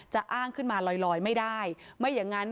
อ้างขึ้นมาลอยลอยไม่ได้ไม่อย่างนั้น